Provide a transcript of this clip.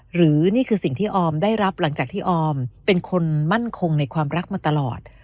หรือนี่คือสิ่งที่ออมได้รับหลังจากที่ออมเป็นคนมั่นคงในความรักมาตลอด